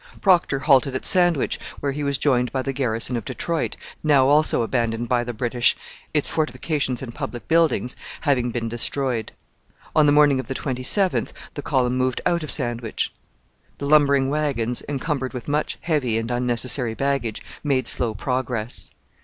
Procter halted at Sandwich, where he was joined by the garrison of Detroit, now also abandoned by the British, its fortifications and public buildings having been destroyed. On the morning of the 27th the column moved out of Sandwich. The lumbering wagons, encumbered with much heavy and unnecessary baggage, made slow progress.